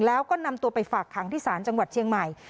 แล้วก็นำตัวไปฝากขังที่ศาลจังหวัดเชียงใหม่